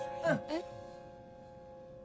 えっ？